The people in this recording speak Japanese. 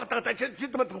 ちょっと待ってろ。